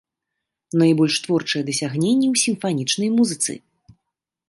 Найбольшыя творчыя дасягненні ў сімфанічнай музыцы.